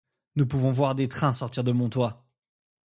Nous pouvons voir des trains sortir de Monthois.